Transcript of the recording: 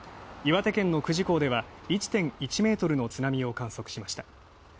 岩手県の久慈港では、１．１メートルの津波を観測しました。